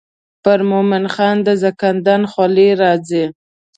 پر مومن خان د زکندن خولې راځي.